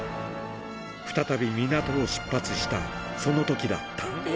再び港を出発したそのときだ